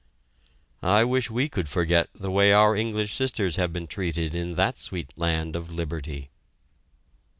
I wish we could forget the way our English sisters have been treated in that sweet land of liberty!